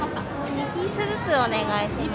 ２ピースずつお願いします。